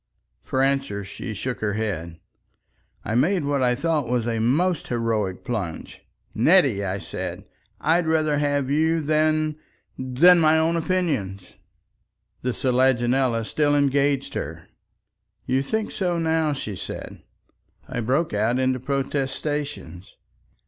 For answer she shook her head. I made what I thought was a most heroic plunge. "Nettie," I said, "I'd rather have you than—than my own opinions." The selaginella still engaged her. "You think so now," she said. I broke out into protestations.